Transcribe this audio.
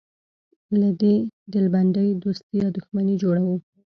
له دې ډلبندۍ دوستي یا دښمني جوړوو.